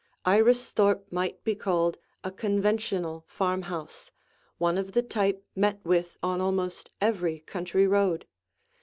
Iristhorpe might be called a conventional farmhouse, one of the type met with on almost every country road.